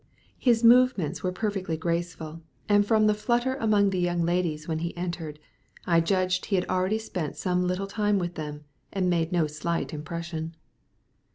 His movements were perfectly graceful, and from the flutter among the young ladies when he entered, I judged he had already spent some little time with them, and made no slight impression.